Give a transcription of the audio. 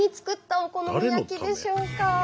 お好み焼きでしょうか？